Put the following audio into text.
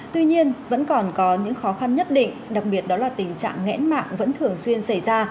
tuy nhiên vẫn còn có những khó khăn nhất định đặc biệt đó là tình trạng nghẽn mạng vẫn thường xuyên xảy ra